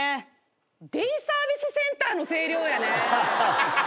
デイサービスセンターの声量やね。